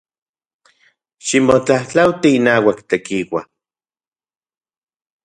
Ximotlajtlauati inauak Tekiua.